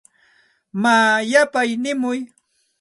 Maa yapay nimuy.